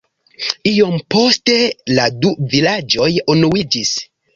Iom poste la du vilaĝoj unuiĝis.